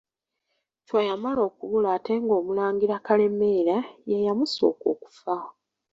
Chwa yamala okubula ate ng'Omulangira Kalemeera ye yamusooka okufa.